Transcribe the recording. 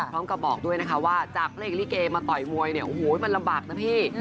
บอกด้วยนะคะว่าจากเพลงลิเกมาต่อยมวยเนี่ยโอ้โหมันลำบากนะพี่